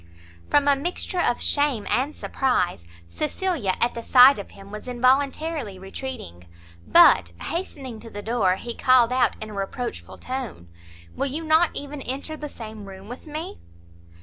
From a mixture of shame and surprize, Cecilia, at the sight of him, was involuntarily retreating; but, hastening to the door, he called out in a reproachful tone, "Will you not even enter the same room with me?"